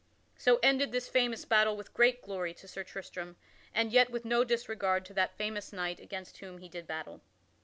So ended this famous battle with great glory to Sir Tristram and yet with no disregard to that famous knight against whom he did battle.